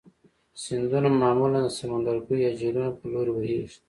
سیندونه معمولا د سمندرګیو یا جهیلونو په لوري بهیږي.